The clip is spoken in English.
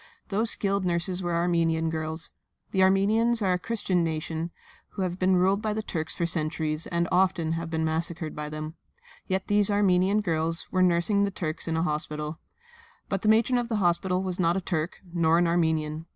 Those skilled nurses were Armenian girls. The Armenians are a Christian nation, who have been ruled by the Turks for centuries and often have been massacred by them; yet these Armenian girls were nursing the Turks in the hospital. But the matron of the hospital was not a Turk, nor an Armenian.